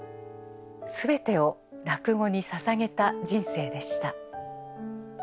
全てを落語にささげた人生でした。